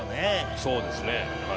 そうですねはい。